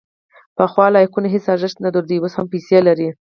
پخوا لایکونه هیڅ ارزښت نه درلود، اوس هم پیسې لري.